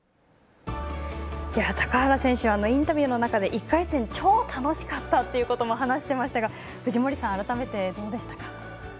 高原選手インタビューの中で１回戦、超楽しかった！ということも話していましたが藤森さん、改めてどうでしたか。